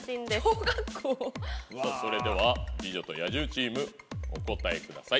さぁそれでは美女と野獣チームお答えください。